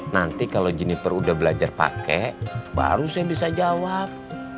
nanti kalau juniper udah belajar pakai baru saya bisa jawab